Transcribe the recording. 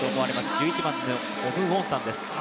１１番のオム・ウォンサンです。